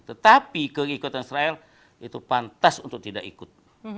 tetapi keikutan israel itu pantas untuk tidak ikut